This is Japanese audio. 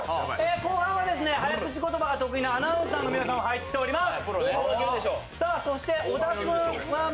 後半はですね、早口言葉が得意なアナウンサーの皆さんを配置しております。